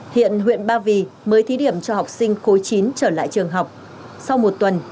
hiện huyện ba vì mới thí điểm cho học sinh khối chín trở lại trường học sau một tuần